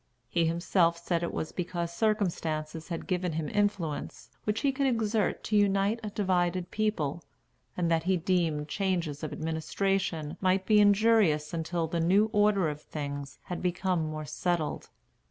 He himself said it was because circumstances had given him influence, which he could exert to unite a divided people; and that he deemed changes of administration might be injurious until the new order of things had become more settled.